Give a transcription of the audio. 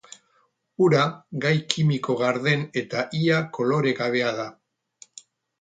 Ura, gai kimiko garden eta ia koloregabea da.